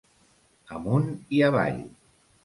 Amunt i avall.